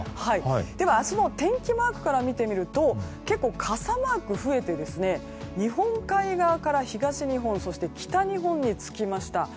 明日の天気マークから見てみると結構、傘マークが増えて日本海側から東日本そして北日本につきました。